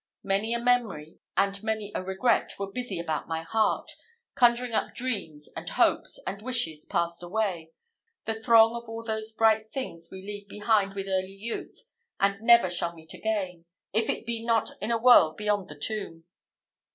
Many a memory and many a regret were busy about my heart, conjuring up dreams, and hopes, and wishes passed away the throng of all those bright things we leave behind with early youth and never shall meet again, if it be not in a world beyond the tomb.